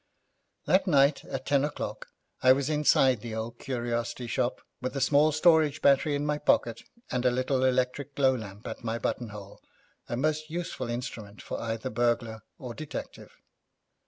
That night at ten o'clock I was inside the old curiosity shop, with a small storage battery in my pocket, and a little electric glow lamp at my buttonhole, a most useful instrument for either burglar or detective.